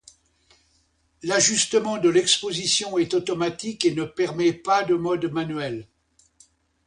L’ajustement de l'exposition est automatique et ne permet pas de mode manuel.